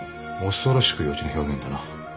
恐ろしく幼稚な表現だな。